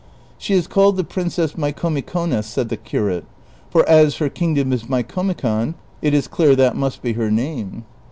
"• Slie is called the Princess Micomicona," said the curate ;" for as her kingdom is Micomicon, it is clear that must be her name."